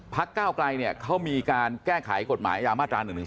ก้าวไกลเนี่ยเขามีการแก้ไขกฎหมายยามาตรา๑๑๒